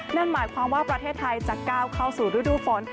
นั่นหมายความว่าประเทศไทยจะก้าวเข้าสู่ฤดูฝน